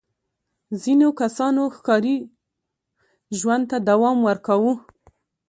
ځینو کسانو ښکاري ژوند ته دوام ورکاوه.